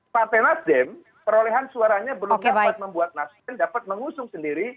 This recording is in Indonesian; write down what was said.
partai nasdem perolehan suaranya belum dapat membuat nasdem dapat mengusung sendiri